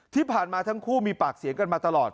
ที่ผ่านมาทั้งคู่มีปากเสียงกันมาตลอด